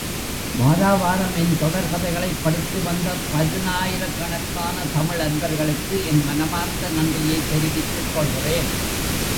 வாரா வாரம் என் தொடர் கதைகளைப் படித்து, வந்த பதினாராயிரக்கணக்கான தமிழ் அன்பர்களுக்கு என் மனமார்ந்த நன்றியைத் தெரிவித்துக்கொள்கிறேன்.